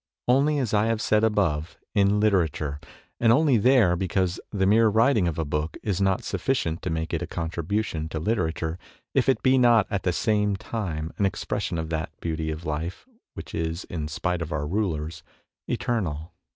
Only, as I have said above, in literature, and only there because the mere writing of a book is not sufficient to make it a contribution to litera ture if it be not at the same time an expres sion of that beauty of life which is, in spite of our rulers, eternal.